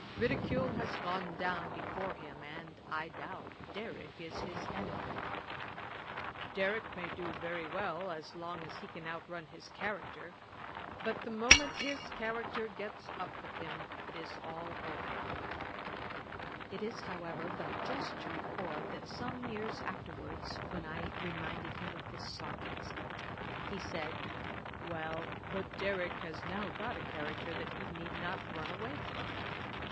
Ridicule has gone down before him, and, I doubt, Derrick is his enemy.' 'Derrick may do very well, as long as he can outrun his character; but the moment his character gets up with him, it is all over.' [Page 395: Boswell's first call on Johnson. Ætat 54.] It is, however, but just to record, that some years afterwards, when I reminded him of this sarcasm, he said, 'Well, but Derrick has now got a character that he need not run away from.'